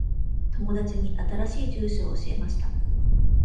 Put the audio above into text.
友達に新しい住所を教えました。